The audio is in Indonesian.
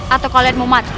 atau kalian mau mati